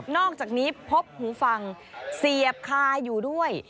อกจากนี้พบหูฟังเสียบคาอยู่ด้วย